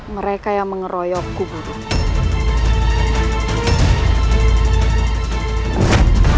mereka yang mengeroyok kubur ini